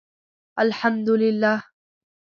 الحمدالله